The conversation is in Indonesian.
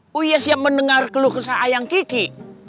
gue siap mendengar geluh kese ayang kiki